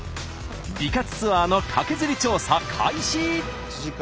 美活ツアーのカケズリ調査開始。